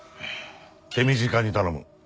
手短に頼む。